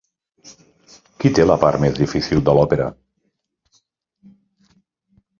Qui té la part més difícil de l'òpera?